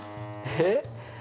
えっ？